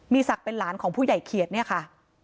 มีศักดิ์เป็นหลานของผู้ใหญ่เขียดเนี่ยค่ะ